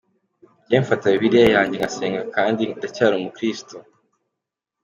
Njyewe mfata Bibiliya yanjye ngasenga kandi ndacyari umukirisitu.